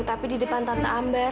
ariatookies untuk tante ambar